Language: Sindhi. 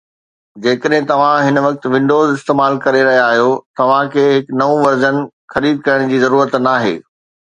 جيڪڏهن توهان هن وقت ونڊوز استعمال ڪري رهيا آهيو، توهان کي هي نئون ورزن خريد ڪرڻ جي ضرورت ناهي